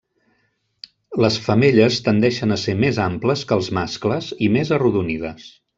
Les femelles tendeixen a ser més amples que els mascles i més arrodonides.